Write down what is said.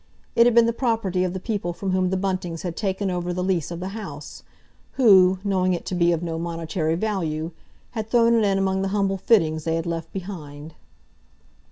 It had been the property of the people from whom the Buntings had taken over the lease of the house, who, knowing it to be of no monetary value, had thrown it in among the humble fittings they had left behind.